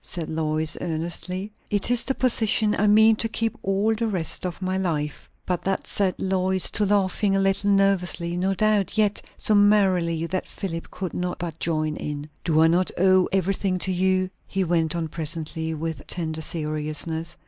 said Lois earnestly. "It is the position I mean to keep all the rest of my life!" But that set Lois to laughing, a little nervously no doubt, yet so merrily that Philip could not but join in. "Do I not owe everything to you?" he went on presently, with tender seriousness.